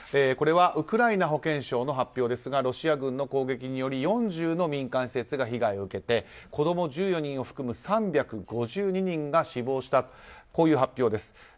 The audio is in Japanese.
これは、ウクライナ保健省の発表ですがロシア軍の攻撃により４０の民間施設が被害を受けて子供１４人を含む３５２人が死亡したという発表です。